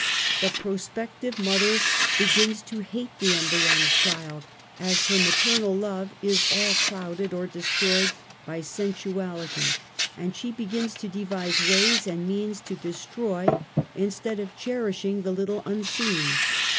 The prospective mother begins to hate the embryonic child, as her maternal love is all clouded or destroyed by sensu ality, and she begins to devise ways and means to dtstroy^ instead of cherishing the little unseen.